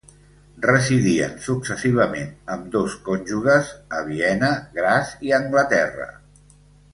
Residien successivament, ambdós conjugues a Viena, Graz i Anglaterra.